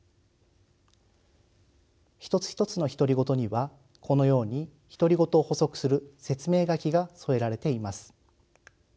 一つ一つの独り言にはこのように独り言を補足する説明書きが添えられています。